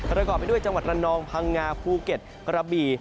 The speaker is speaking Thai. ประกอบไปด้วยจังหวัดระนองพังงาภูเก็ตกระบี่